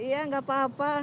iya enggak apa apa